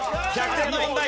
１００点の問題。